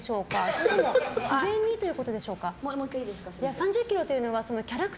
それとも自然にということでしょうか？